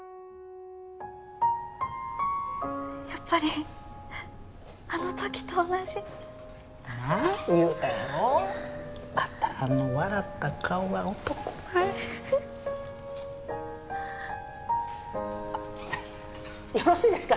やっぱりあのときと同じなあ言うたやろまたあの笑った顔が男前あっよろしいですか？